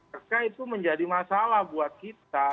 maka itu menjadi masalah buat kita